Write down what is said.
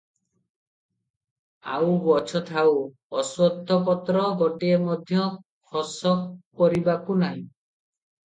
ଆଉ ଗଛ ଥାଉ, ଅଶ୍ୱତ୍ଥପତ୍ର ଗୋଟିଏ ମଧ୍ୟ ଖସ କରିବାକୁ ନାହିଁ ।